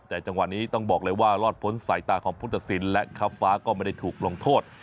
แต่จังหวะนี้ต้องบอกเลยว่ารอดพ้นสายตาของผู้ตัดสินและคับฟ้าก็ไม่ได้ถูกลงโทษ